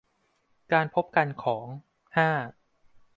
การพบกันของ ห้า